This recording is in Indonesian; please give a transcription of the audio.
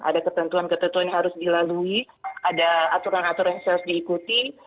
ada ketentuan ketentuan yang harus dilalui ada aturan aturan yang harus diikuti